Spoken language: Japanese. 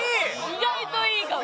意外といいかも。